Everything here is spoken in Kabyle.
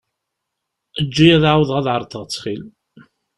Eǧǧ-iyi ad εawdeɣ ad εerḍeɣ ttxil.